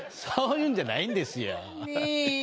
そういうんじゃないんですよ。